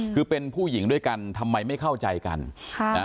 คือเป็นผู้หญิงด้วยกันทำไมไม่เข้าใจกันค่ะนะ